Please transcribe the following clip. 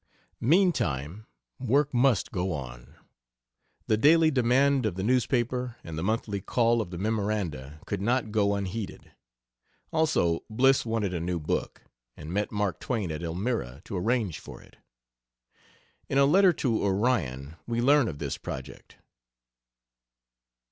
Meantime, work must go on; the daily demand of the newspaper and the monthly call of the Memoranda could not go unheeded. Also, Bliss wanted a new book, and met Mark Twain at Elmira to arrange for it. In a letter to Orion we learn of this project.